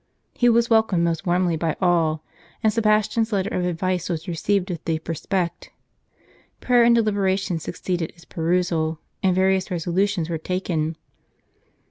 He was welcomed most warmly by all; and Sebastian's letter of advice was received with deep respect. Prayer and deliberation suc ceeded its perusal, and various resolutions were taken.